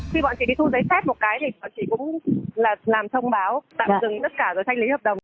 khi bọn chị đi thu giấy xét một cái thì bọn chị cũng làm thông báo tạm dừng tất cả rồi thanh lý hợp đồng